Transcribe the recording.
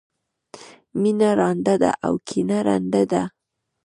مینه رانده ده او کینه ړنده ده.